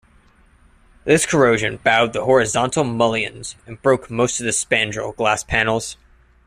This corrosion bowed the horizontal mullions and broke most of the spandrel glass panels.